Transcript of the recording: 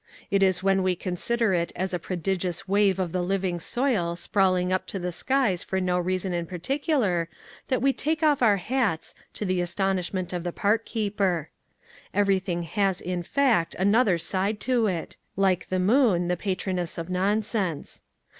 It is when we consider it as a prodig ious wave of the living soil sprawling up to the skies for no reason in particular that we take off our hats, to the astonishment of the park keeper. Everything has in fact another side to it, like the moon, the patroness of nonsense.